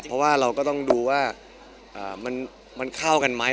เพราะว่าเราก็ต้องดูว่ามันเข้ากันไหม